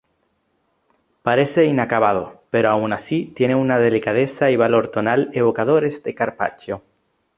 Parece inacabado, pero aun así tiene una delicadeza y valor tonal evocadores de Carpaccio.